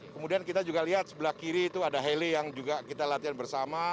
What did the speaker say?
kemudian kita juga lihat sebelah kiri itu ada heli yang juga kita latihan bersama